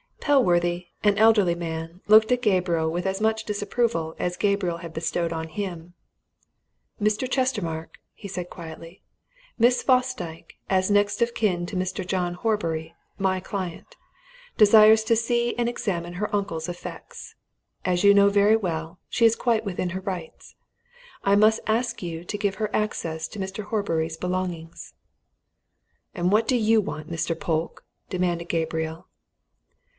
Pellworthy, an elderly man, looked at Gabriel with as much disapproval as Gabriel had bestowed on him. "Mr. Chestermarke," he said quietly, "Miss Fosdyke, as next of kin to Mr. John Horbury my client desires to see and examine her uncle's effects. As you know very well, she is quite within her rights. I must ask you to give her access to Mr. Horbury's belongings." "And what do you want, Mr. Polke?" demanded Gabriel.